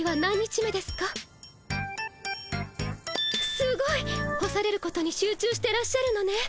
すごい！干されることに集中してらっしゃるのね。